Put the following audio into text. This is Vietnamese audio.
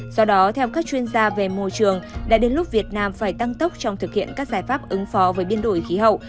do đó theo các chuyên gia về môi trường đã đến lúc việt nam phải tăng tốc trong thực hiện các giải pháp ứng phó với biến đổi khí hậu